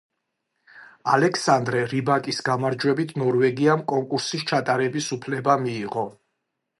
ალექსანდრე რიბაკის გამარჯვებით ნორვეგიამ კონკურსის ჩატარების უფლება მიიღო.